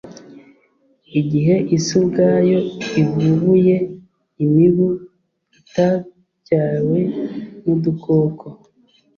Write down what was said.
igihe isi ubwayo ivubuye imibu itabyawe n’udukoko,